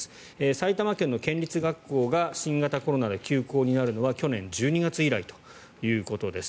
埼玉県の県立学校が新型コロナで休校になるのは去年１２月以来ということです。